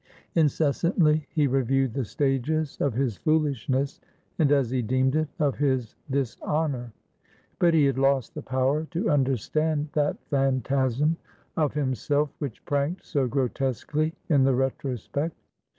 Incessantly he reviewed the stages of his foolishness and, as he deemed it, of his dishonour. But he had lost the power to understand that phantasm of himself which pranked so grotesquely in the retrospect.